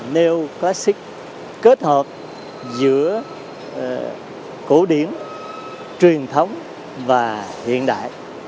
neo classic kết hợp giữa cổ điển truyền thống và hiện đại